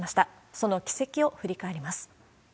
その軌跡を振り返ります。